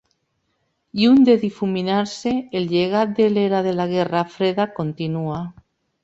Lluny de difuminar-se, el llegat de l'era de la guerra freda continua.